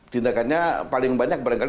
tindakannya paling banyak berenggana